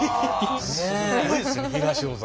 すごいですね東大阪。